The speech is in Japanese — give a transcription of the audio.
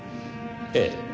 ええ。